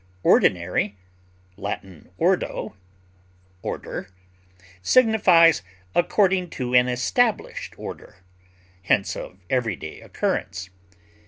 Ordinary (L. ordo, order) signifies according to an established order, hence of everyday occurrence.